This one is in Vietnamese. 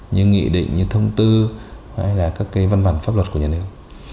như nghị định như thông tư hay là các cái văn bản pháp luật của nhà nước